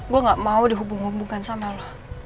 gue nggak mau dihubung hubungan sama lo